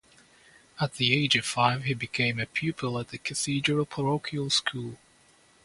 At the age of five, he became a pupil at the cathedral parochial school.